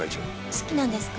好きなんですか？